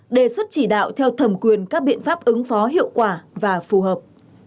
đề xuất chỉ đạo theo thẩm quyền các biện pháp ứng phó hiệu quả và phù hợp